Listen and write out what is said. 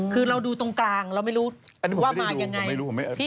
คือเราดูตรงกลางเราไม่รู้ว่ามาอย่างไร